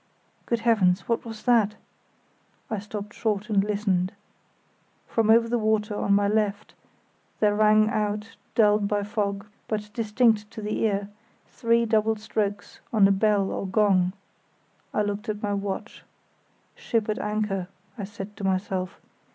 Good Heavens! what was that? I stopped short and listened. From over the water on my left there rang out, dulled by fog, but distinct to the ear, three double strokes on a bell or gong. I looked at my watch. "Ship at anchor," I said to myself.